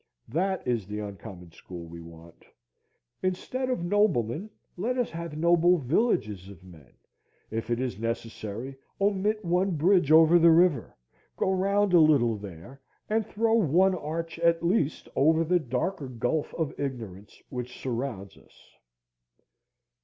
That is the uncommon school we want. Instead of noblemen, let us have noble villages of men. If it is necessary, omit one bridge over the river, go round a little there, and throw one arch at least over the darker gulf of ignorance which surrounds us.